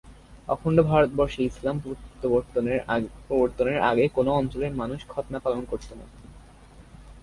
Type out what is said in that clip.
অখণ্ড ভারতবর্ষে ইসলাম প্রবর্তনের আগে কোন অঞ্চলের মানুষ খৎনা পালন করত না।